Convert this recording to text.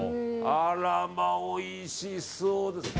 あらま、おいしそう。